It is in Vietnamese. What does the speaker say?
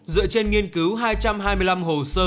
dựa trên nghiên cứu hai trăm hai mươi năm hồ sơ